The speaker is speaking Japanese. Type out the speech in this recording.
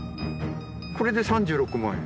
これで３６万円。